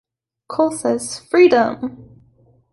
Cole says, Freedom!